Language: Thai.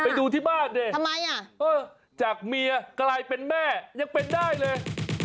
ไปดูที่บ้านดิทำไมอ่ะจากเมียกลายเป็นแม่ยังเป็นได้เลย